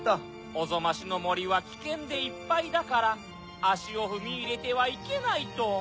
おぞましのもりはきけんでいっぱいだからあしをふみいれてはいけないと。